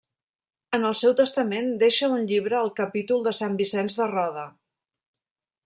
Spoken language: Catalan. En el seu testament deixa un llibre al capítol de Sant Vicenç de Roda.